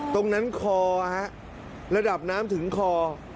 ตรงนั้นคล้อนะฮะระดับน้ำถึงคล้อ